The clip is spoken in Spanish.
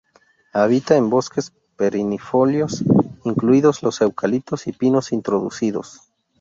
Habita en bosques perennifolios, incluidos los eucaliptos y pinos introducidos.